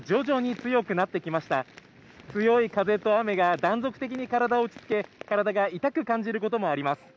強い風と雨が断続的に体を打ち付け、体が痛く感じることもあります。